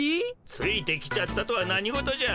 ついてきちゃったとは何事じゃ。